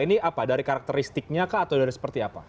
ini apa dari karakteristiknya kah atau dari seperti apa